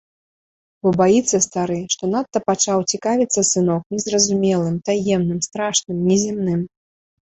Бо баіцца стары, што надта пачаў цікавіцца сынок незразумелым, таемным, страшным, незямным.